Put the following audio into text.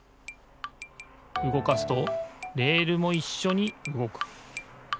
うごかすとレールもいっしょにうごく。